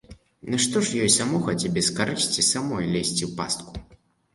Нашто ж ёй самохаць і без карысці самой лезці ў пастку?